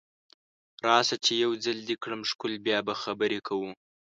راشه چې یو ځل دې کړم ښکل بیا به خبرې کوو